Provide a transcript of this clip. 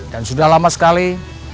dan sudah lama sekali